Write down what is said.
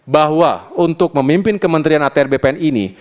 bahwa untuk memimpin kementerian atr bpn ini